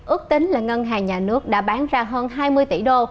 ước tính là ngân hàng nhà nước đã bán ra hơn hai mươi tỷ đô